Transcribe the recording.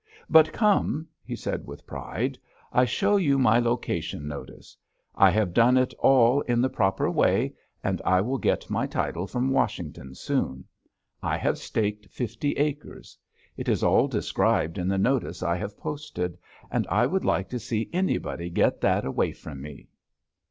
"But come," he said with pride, "I show you my location notice. I have done it all in the proper way and I will get my title from Washington soon. I have staked fifty acres. It is all described in the notice I have posted; and I would like to see anybody get that away from me."